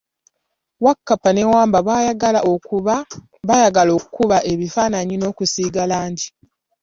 Wakappa ne Wambwa baagala okuba ebifananyi n'okusiiga langi.